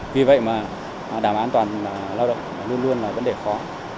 vì vậy mà đảm an toàn lao động luôn luôn là vấn đề khó